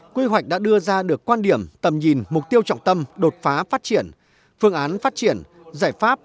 quy hoạch đã đưa ra được quan điểm tầm nhìn mục tiêu trọng tâm đột phá phát triển phương án phát triển giải pháp